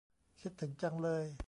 คิดถึงจังเลย